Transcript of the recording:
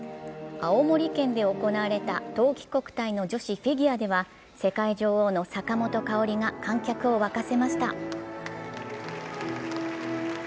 青森県で行われた冬季国体の女子フィギュアでは世界女王の坂本花織が観客を沸かせました。